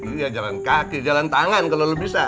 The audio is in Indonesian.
iya jalan kaki jalan tangan kalau lo bisa